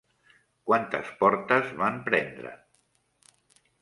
Quantes portes van prendre?